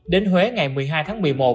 đến huế ngày một mươi hai tháng một mươi một